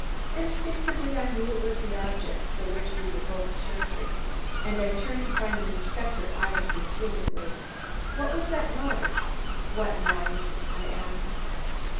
Instinctively I knew it was the object for which we were both searching, and I turned to find the inspector eying me quizzically. "What was that noise?" "What noise?" I asked.